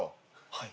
はい。